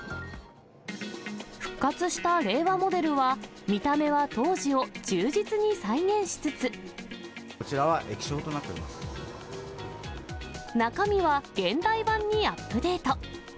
復活した令和モデルは、こちらは液晶となっておりま中身は現代版にアップデート。